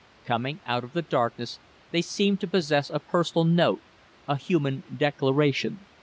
Coming out of the darkness, they seemed to possess a personal note, a human declaration.